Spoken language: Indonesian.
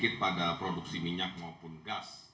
sedikit pada produksi minyak maupun gas